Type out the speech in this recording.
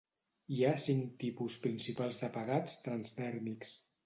Hi ha cinc tipus principals de pegats transdèrmics.